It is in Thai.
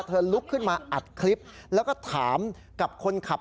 ลุกขึ้นมาอัดคลิปแล้วก็ถามกับคนขับ